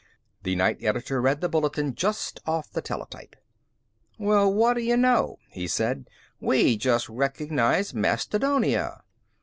XII The night editor read the bulletin just off the teletype. "Well, what do you know!" he said. "We just recognized Mastodonia."